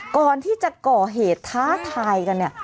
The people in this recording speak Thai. ก่อนที่จะก่อเหตุท้าทายกันเนี่ย